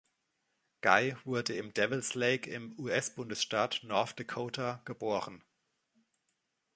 Guy wurde in Devils Lake im US-Bundesstaat North Dakota geboren.